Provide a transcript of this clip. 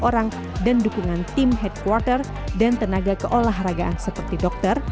satu ratus tiga puluh orang dan dukungan tim headquarter dan tenaga keolahragaan seperti dokter